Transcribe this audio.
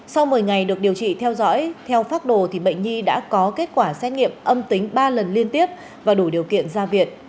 sau một mươi ngày được điều trị theo dõi theo phác đồ bệnh nhi đã có kết quả xét nghiệm âm tính ba lần liên tiếp và đủ điều kiện ra viện